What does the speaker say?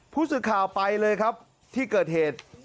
ผู้สื่อข่าวไปเลยครับที่เกิดเหตุ